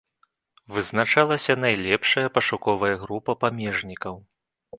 Вызначалася найлепшая пашуковая група памежнікаў.